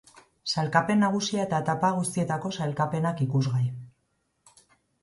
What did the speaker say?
Sailkapen nagusia eta etapa guztietako sailkapenak ikusgai.